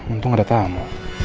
untung ada tamu